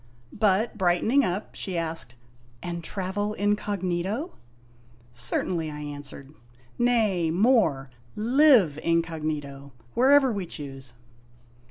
But, brightening up, she asked: "And travel incog./ "Certainly," I answered; "nay, more: live incog, wherever we choose